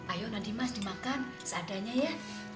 ayo nadimas dimakan seadanya ya